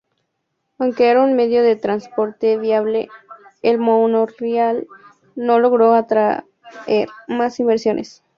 Aunque era un medio de transporte viable, el monorraíl no logró atraer más inversiones.